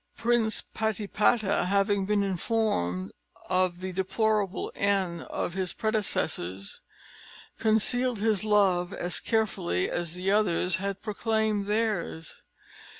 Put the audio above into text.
Prince Patipata having been informed of the deplorable end of his predecessors, concealed his love as carefully as the others had proclaimed theirs.